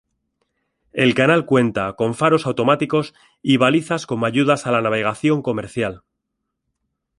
El canal cuenta con faros automáticos y balizas como ayudas a la navegación comercial.